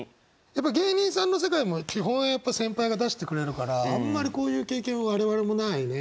やっぱ芸人さんの世界も基本は先輩が出してくれるからあんまりこういう経験我々もないね。